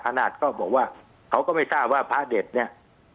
นาจก็บอกว่าเขาก็ไม่ทราบว่าพระเด็ดเนี่ย